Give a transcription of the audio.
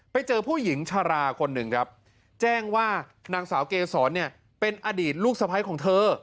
ไปเจอผู้หญิงชาราคนหนึ่งครับแจ้งว่านางสาวเกษรเนี่ยเป็นอดีตลูกสะพ้ายของเธอ